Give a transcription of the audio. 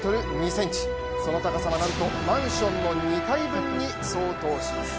その高さはなんと、マンションの２階分に相当します。